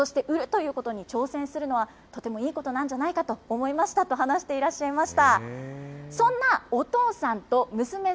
こうやって新しいものを考えて、作って、そして売るということに挑戦するのは、とてもいいことなんじゃないかと思いましたと話していらっしゃいました。